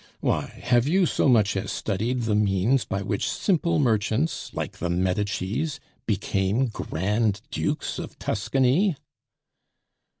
... Why, have you so much as studied the means by which simple merchants like the Medicis became Grand Dukes of Tuscany?"